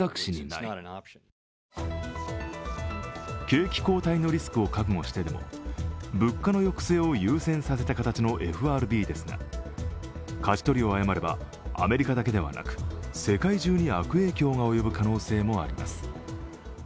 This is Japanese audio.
景気後退のリスクを覚悟してでも物価の抑制を優先させた形のＦＲＢですがかじ取りを誤れば、アメリカだけでなく世界中に悪影響が及ぶ可能性もあります。